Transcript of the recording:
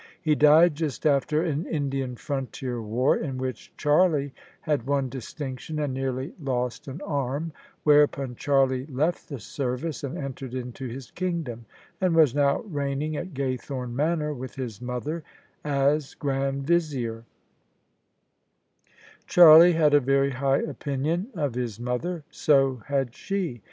He died just after an Indian frontier war, in which Charlie had won distinction and nearly lost an arm: whereupon Charlie left the service and entered into his kingdom: and was now reigning at Gaythome Manor, with his mother as Grand Visier, Charlie had a very high opinion of his mother. So had she.